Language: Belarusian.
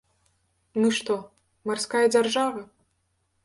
Мы што, марская дзяржава?